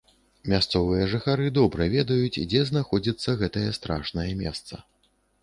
Мясцовыя жыхары добра ведаюць, дзе знаходзіцца гэтае страшнае месца.